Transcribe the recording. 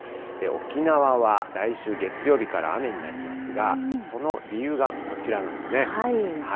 沖縄は来週月曜日から雨になりますが、その理由がこちらなんですね。